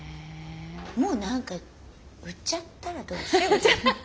もう何か売っちゃったらどうですか？